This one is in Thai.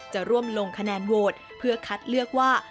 จะร่วมลงคะแนนโหวตเพื่อคัดเลือกว่า